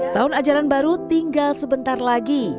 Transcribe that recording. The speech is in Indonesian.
tahun ajaran baru tinggal sebentar lagi